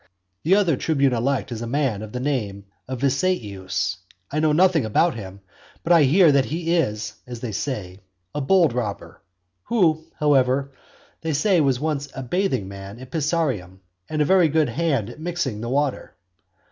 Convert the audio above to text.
The other tribune elect is a man of the name of Viseius; I know nothing about him; but I hear that he is (as they say) a bold robber; who, however, they say was once a bathing man at Pisaurum, and a very good hand at mixing the water.